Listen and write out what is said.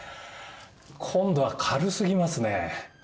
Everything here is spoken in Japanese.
今度は軽すぎますねぇ。